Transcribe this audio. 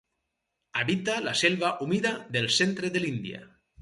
Habita la selva humida del centre de l'Índia.